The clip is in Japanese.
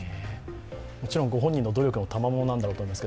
もちろん御本人の努力のたまものなんだと思いますが